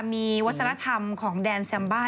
มีวัฒนธรรมของแดนแซมบ้า